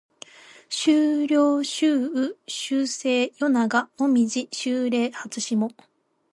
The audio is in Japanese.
秋涼秋雨秋晴夜長紅葉秋麗初霜